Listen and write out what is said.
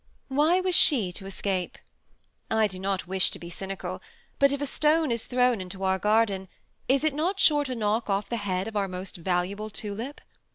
Why was she to escape ? I do not wish to be cynical ; but if a stone is thrown into our garden, is it not sure to knock off the head of our most valuable tulip